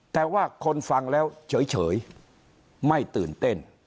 แต่ว่าคนฟังแล้วเฉยไม่ตื่นเต้น